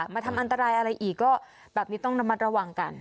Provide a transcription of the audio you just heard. มาทำอันตรายอะไรอีกก็แบบนี้ต้องระมัดระวังกัน